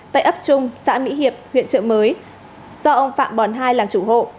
tại ấp trung xã mỹ hiệp huyện trợ mới do ông phạm bòn hai làm chủ hộ